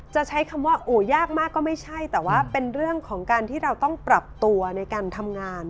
จะใช้คำว่ายากมากก็ไม่ใช่แต่ว่าเป็นเรื่องของการที่เราต้องปรับตัวในการทำงาน